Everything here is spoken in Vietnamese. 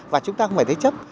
và chúng ta không phải thế chấp